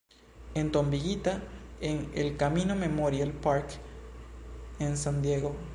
Entombigita en "El Camino Memorial Park" en San Diego.